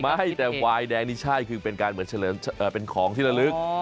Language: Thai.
ไม่แต่วายแดงนี่ใช่คือเป็นการเหมือนเฉลิมเป็นของที่ละลึก